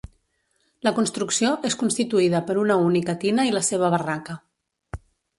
La construcció és constituïda per una única tina i la seva barraca.